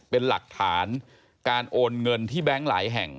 เป็นหลักฐานการโอนเงินที่แบงค์หลายแห่ง